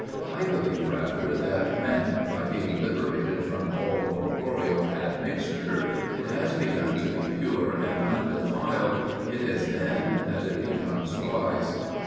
I believe rather that when, by being liberated from all corporeal admixture, it has begun to be pure and undefiled, it is then that it becomes wise.